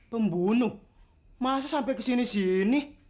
pembunuh masa sampai kesini sini